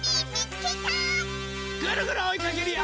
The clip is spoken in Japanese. ぐるぐるおいかけるよ！